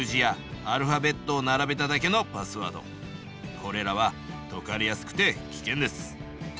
これらは解かれやすくて危険です。